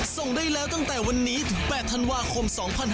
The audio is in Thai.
ส่งได้แล้วตั้งแต่วันนี้ถึง๘ธันวาคม๒๕๖๒